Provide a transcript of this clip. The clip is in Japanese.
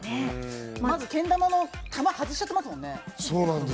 けん玉の玉、外しちゃってますもんね。